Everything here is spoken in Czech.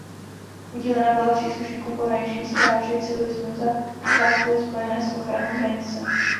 Udílena byla příslušníkům pohraniční stráže i civilistům za zásluhy spojené s ochranou hranice.